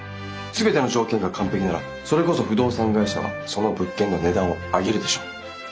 全ての条件が完璧ならそれこそ不動産会社はその物件の値段を上げるでしょう。